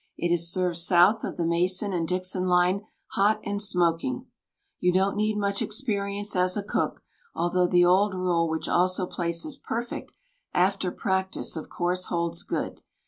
It is served south of the Mason and Dixon line hot and smoking. You don't need much experience as a cook, although the old rule which also places "perfect" after "practice" of course holds good.